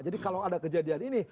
jadi kalau ada kejadian ini